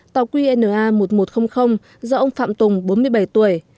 tàu qna một nghìn một trăm linh do ông phạm tùng bốn mươi bảy tuổi